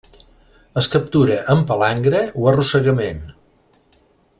Es captura amb palangre o arrossegament.